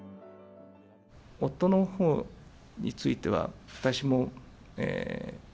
夫のほうについては、私も。